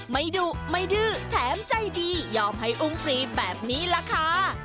ดุไม่ดื้อแถมใจดียอมให้อุ้มฟรีแบบนี้ล่ะค่ะ